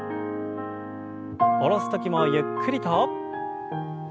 下ろす時もゆっくりと。